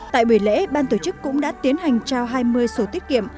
tại buổi lễ ban tổ chức cũng đã tiến hành trao hai mươi sổ tiết kiệm